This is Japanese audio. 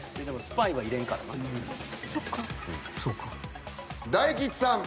でもスパイは入れんからな。